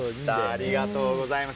ありがとうございます。